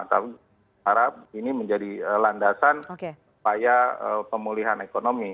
tapi harap ini menjadi landasan upaya pemulihan ekonomi